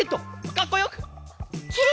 かっこよく！